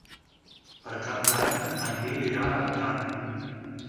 Per Cap d'Any en Nil irà a Artana.